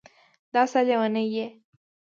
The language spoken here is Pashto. دا څه لېونی یې